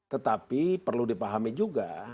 tetapi perlu dipahami juga